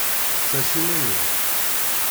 Sers iman-im!